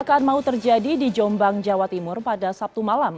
perkara yang mau terjadi di jombang jawa timur pada sabtu malam